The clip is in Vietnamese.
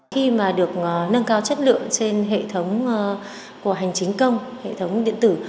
khi mà được nâng cao chất lượng trên hệ thống của hành chính công hệ thống điện tử